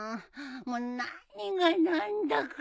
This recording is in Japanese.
もう何が何だか。